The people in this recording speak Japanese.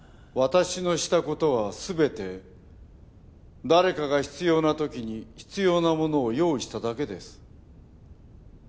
私のしたことは全て誰かが必要なときに必要なものを用意しただけです。